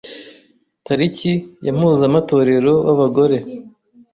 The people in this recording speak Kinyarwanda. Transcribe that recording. Tariki ya Mpuzamatorero w,abagore